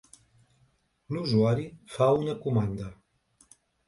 L'usuari fa una comanda.